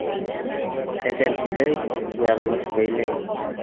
Әҙәм һөйләй, яҙмыш бәйләй.